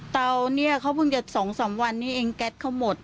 เต๋านี้เค้าพึ่งจัดสองสามวันนี้เองแก๊ดเค้าหมด